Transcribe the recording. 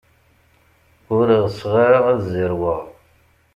Ur ɣseɣ ara ad zerweɣ.